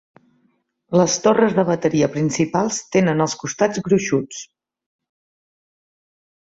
Les torres de bateria principals tenien els costats gruixuts.